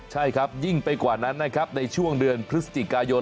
ใช่ครับยิ่งไปกว่านั้นนะครับในช่วงเดือนพฤศจิกายน